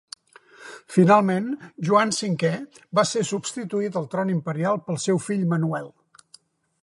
Finalment, Joan V va ser substituït al tron imperial pel seu fill Manuel.